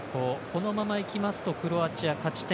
このままいきますとクロアチア、勝ち点４。